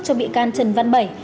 cho bị can trần văn bảy